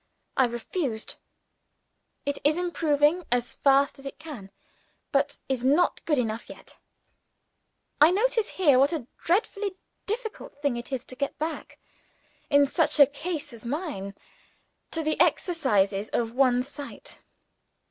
I refused. It is improving as fast as it can; but it is not good enough yet. I notice here what a dreadfully difficult thing it is to get back in such a case as mine to the exercise of one's sight.